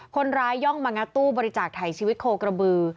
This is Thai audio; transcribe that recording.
คนรายย่องมางัดตู้บริจาคไถชีวิตโคศกระบือ